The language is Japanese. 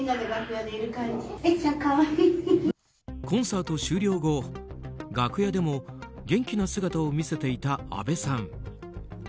コンサート終了後楽屋でも元気な姿を見せていたあべさん。